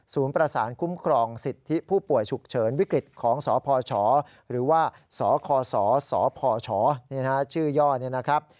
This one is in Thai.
ประสานคุ้มครองสิทธิผู้ป่วยฉุกเฉินวิกฤตของสพชหรือว่าสคศสพชชื่อย่อนี่นะครับ